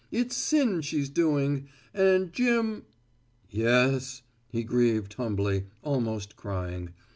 It's sin she's doing. And Jim " "Yes?" he grieved humbly, almost crying.